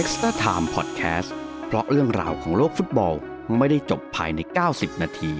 สวัสดีครับ